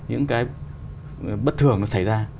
những cái bất thường nó xảy ra